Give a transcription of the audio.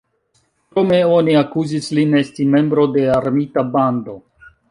Krome oni akuzis lin esti membro de "armita bando".